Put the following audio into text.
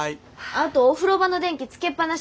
あとお風呂場の電気つけっ放し。